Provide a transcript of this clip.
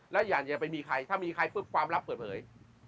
และอย่าไปมีใครถ้ามีใครปุ๊บความลับเปิดเผย